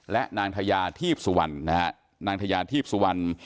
และนางทยาทีพสุวรรณนะฮะนางทยาทีพสุวรรณ